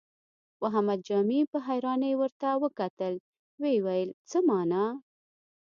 محمد جامي په حيرانۍ ورته وکتل، ويې ويل: څه مانا؟